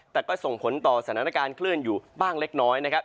แต่ก็ส่งผลต่อสถานการณ์คลื่นอยู่บ้างเล็กน้อยนะครับ